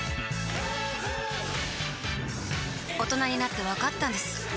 大人になってわかったんです